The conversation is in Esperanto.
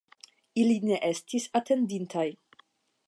Ili ne estis atendintaj.